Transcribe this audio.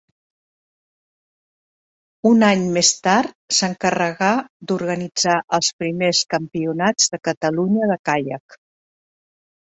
Un any més tard s'encarregà d'organitzar els primers campionats de Catalunya de caiac.